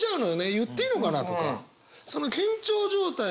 言っていいのかな？とか。